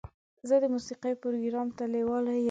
زه د موسیقۍ پروګرام ته لیواله یم.